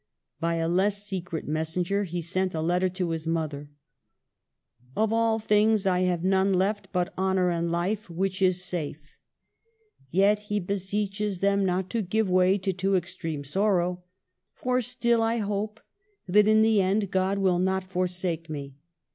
By a less secret messenger he sent a letter to his mother: '' Of all things I have none left but honor, and life, which is safe." Yet he SEQUELS. 79 beseeches them not to give way to too extreme a sorrow: ''For still I hope that in the end God will not forsake me."